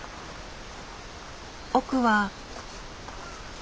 奥は。